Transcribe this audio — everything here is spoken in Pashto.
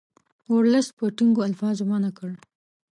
ورلسټ په ټینګو الفاظو منع کړ.